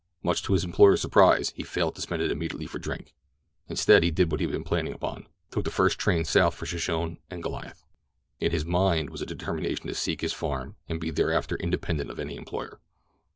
Much to his employer's surprise, he failed to spend it immediately for drink. Instead, he did what he had been planning upon—took the first train south for Shoshone and Goliath. In his mind was a determination to seek his farm and be thereafter independent of any employer.